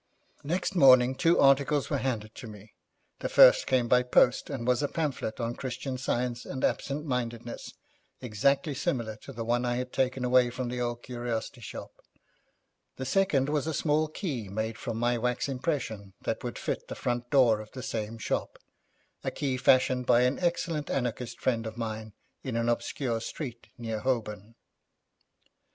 Next morning two articles were handed to me. The first came by post and was a pamphlet on Christian Science and Absent Mindedness, exactly similar to the one I had taken away from the old curiosity shop; the second was a small key made from my wax impression that would fit the front door of the same shop a key fashioned by an excellent anarchist friend of mine in an obscure street near Holborn.